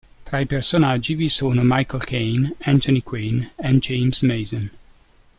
Tra i personaggi vi sono Michael Caine, Anthony Quinn e James Mason.